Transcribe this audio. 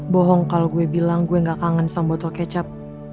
bohong kalau gue bilang gue gak kangen sama botol kecap